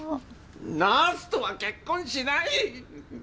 ナースとは結婚しない！